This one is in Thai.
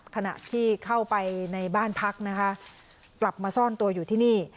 ขณะที่เข้าไปในบ้านพักนะคะกลับมาซ่อนตัวอยู่ที่นี่